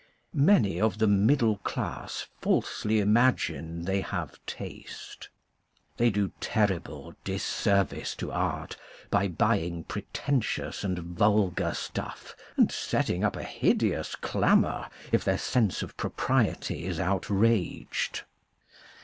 Many of the middle class falsely imagine they have taste : they do terrible dis service to art by buying pretentious and vulgar stuff and setting up a hideous clamour if their sense of propriety is outraged.